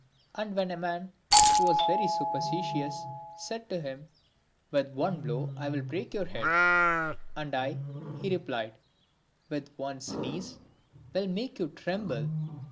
And when a man, who was very superstitious, said to him, " With one blow I will break your head ;"" And I," he replied, " with one sneeze will make you tremble."